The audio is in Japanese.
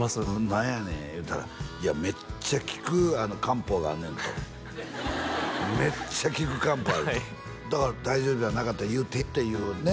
「何やねん」って言うたらめっちゃ効く漢方があんねんとめっちゃ効く漢方あるとはいだから大丈夫じゃなかったら言うてっていうね